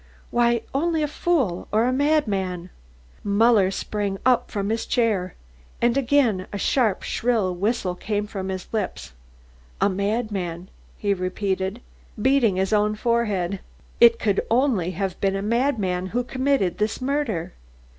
Why, only a fool or a madman " Muller sprang up from his chair and again a sharp shrill whistle came from his lips. "A madman! " he repeated, beating his own forehead. "It could only have been a madman who committed this murder!